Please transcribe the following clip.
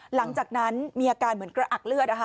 หลังจากนั้นมีอาการเหมือนกระอักเลือด